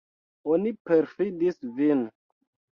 Oni perfidis vin.